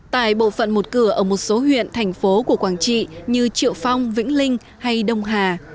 tại bộ phận một cửa ở một số huyện thành phố của quảng trị như triệu phong vĩnh linh hay đông hà